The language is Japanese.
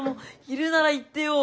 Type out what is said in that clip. いるなら言ってよ。